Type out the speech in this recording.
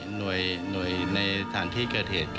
หน่วยในฐานที่เกิดเหตุ